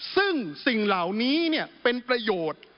ซึ่งสิ่งเหล่านี้เป็นประโยชน์